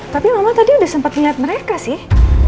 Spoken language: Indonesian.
tapi mama tadi udah sempet liat mereka sih